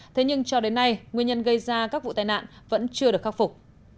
thế nhưng cho đến nay nguyên nhân gây ra các vụ tai nạn vẫn chưa được khắc phục